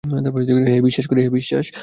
হে, বিশ্বাস করি।